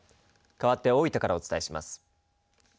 かわって大分からお伝えします。